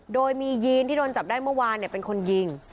โดยมียีนที่โดนจับได้เมื่อวานเป็นคนยิง